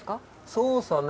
そうさね